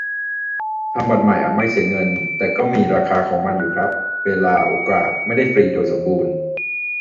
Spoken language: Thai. ทำบัตรใหม่อาจไม่เสียเงิน แต่ก็มีราคาของมันอยู่ครับ เวลา โอกาส ไม่ได้ฟรีโดยสมบูรณ์